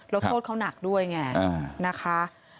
แล้วโทษเขาหนักด้วยไงนะคะ